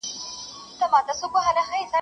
دولت به د څېړنو لپاره بودیجه ځانګړې کړي.